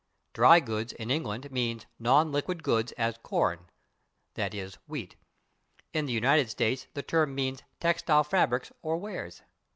/Dry goods/, in England, means "non liquid goods, as corn" (/i. e./, wheat); in the United States the term means "textile fabrics or wares."